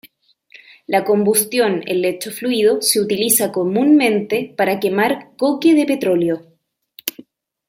La combustión en lecho fluido se utiliza comúnmente para quemar coque de petróleo.